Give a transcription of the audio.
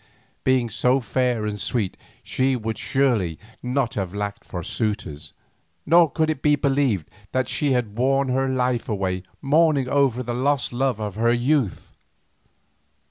Being so fair and sweet she would surely not have lacked for suitors, nor could it be believed that she had worn her life away mourning over the lost love of her youth.